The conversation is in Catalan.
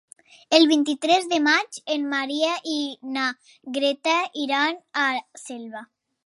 El vint-i-tres de maig en Maria i na Greta iran a Selva.